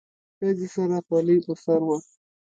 ښځې سره خولۍ په سر وه.